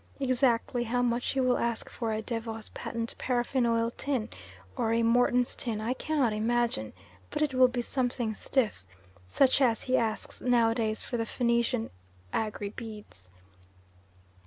Exactly how much he will ask for a Devos patent paraffin oil tin or a Morton's tin, I cannot imagine, but it will be something stiff such as he asks nowadays for the Phoenician "Aggry" beads.